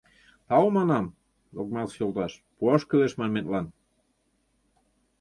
— Тау, манам, Локмасов йолташ, «пуаш кӱлеш» манметлан!